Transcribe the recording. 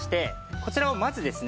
こちらをまずですね